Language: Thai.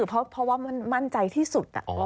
เพราะว่ามั่นใจที่สุด